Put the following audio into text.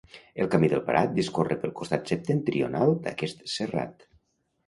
El Camí del Prat discorre pel costat septentrional d'aquest serrat.